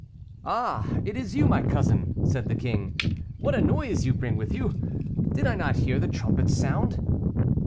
"Ah! it is you, my cousin," said the king; "what a noise you bring with you! Did I not hear the trumpets sound?"